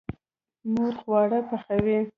مور خواړه پخوي.